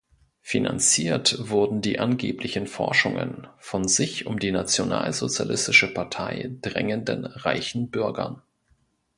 Finanziert wurden die angeblichen „Forschungen“ von „sich um die Nationalsozialistische Partei drängenden reichen Bürgern“.